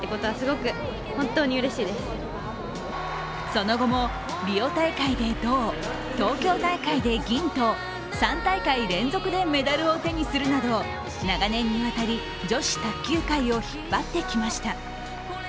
その後もリオ大会で銅東京大会で銀と３大会連続でメダルを手にするなど長年にわたり、女子卓球界を引っ張ってきました。